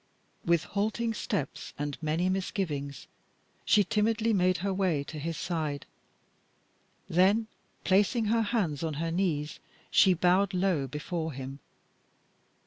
With halting steps and many misgivings, she timidly made her way to his side; then placing her hands on her knees, she bowed low before him.